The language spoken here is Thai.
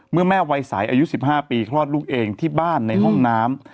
แม่วัยสายอายุ๑๕ปีคลอดลูกเองที่บ้านในห้องน้ำ